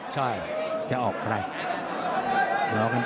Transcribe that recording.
เดี๋ยวกันแป๊บนึง